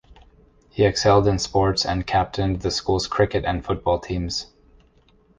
He excelled in sports and captained the school's cricket and football teams.